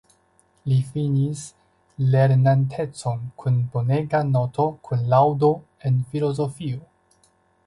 Li finis lernantecon kun bonega noto kun laŭdo en filozofio.